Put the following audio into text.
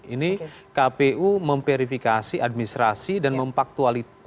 ini kpu memverifikasi administrasi dan memfaktualisasi